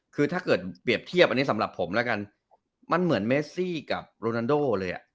คือถ้าเกิดเปรียบเทียบอันนี้สำหรับผมแล้วกันมันเหมือนเมซี่กับโรนันโดเลยอ่ะ